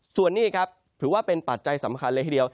ส่วนนี้ครับถือว่าเป็นปัจจัยสำคัญเลยทีเดียว